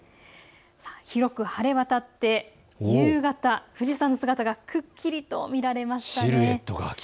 よく晴れわたって夕方、富士山の姿がくっきりと見られました。